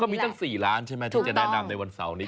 มีตั้ง๔ล้านใช่ไหมที่จะแนะนำในวันเสาร์นี้